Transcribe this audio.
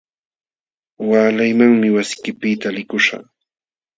Waalaymanmi wasiykipiqta likuśhaq.